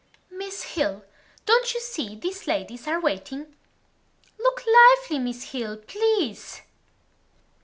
"Miss Hill, don't you see these ladies are waiting?" "Look lively, Miss Hill, please."